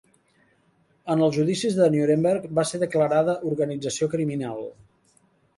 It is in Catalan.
En els judicis de Nuremberg va ser declarada organització criminal.